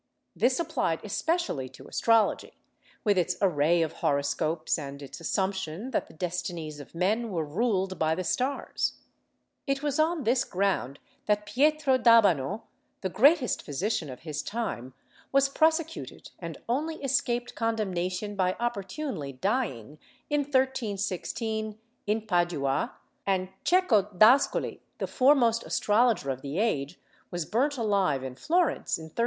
This applied especially to astrology, with its array of horoscopes and its assumption that the destinies of men were ruled by the stars. It was on this ground that Pietro d'Abano, the greatest physician of his time, was prosecuted and only escaped condemnation by opportunely dying, in 1316, in Padua, and Cecco d'Ascoli, the foremost astrologer of the age, was burnt alive in Florence, in 1327.